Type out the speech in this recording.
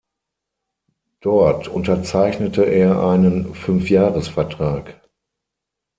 Dort unterzeichnete er einen Fünfjahresvertrag.